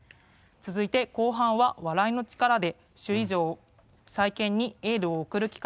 続いて、後半は笑いの力で首里城再建にエールを送る企画